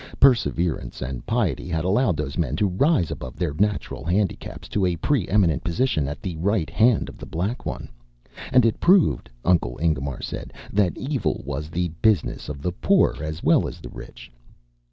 Perseverance and piety had allowed those men to rise above their natural handicaps to a pre eminent position at the right hand of The Black One. And it proved, Uncle Ingemar said, that Evil was the business of the poor as well as the rich.